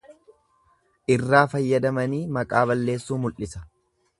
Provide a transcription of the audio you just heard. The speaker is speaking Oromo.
Irraa fayyadamanii maqaa balleessuu mul'isa.